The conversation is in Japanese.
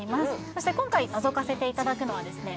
そして今回のぞかせていただくのはですね